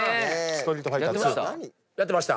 やってました？